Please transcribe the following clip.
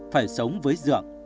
phải sống với dượng